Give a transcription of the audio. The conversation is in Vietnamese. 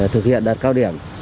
thực hiện đợt cao điểm